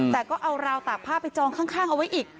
แต่ก็เอาราวตากผ้าไปจองข้างเอาไว้อีก